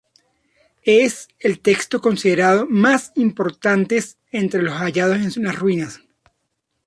Es el texto considerado más importantes entre los hallados en las ruinas.